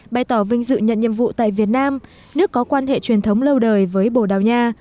bày tỏ vinh dự nhận nhiệm vụ tại việt nam nước có quan hệ truyền thống lâu đời với bồ đào nha